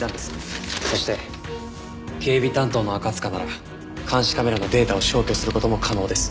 そして警備担当の赤塚なら監視カメラのデータを消去する事も可能です。